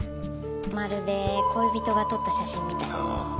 まるで恋人が撮った写真みたい。